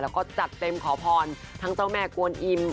แล้วก็จัดเต็มขอพรทั้งเจ้าแม่กวนอิ่ม